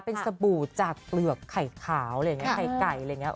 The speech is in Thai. เป็นสบู่จากเปลือกไข่ขาวอะไรอย่างนี้ไข่ไก่อะไรอย่างนี้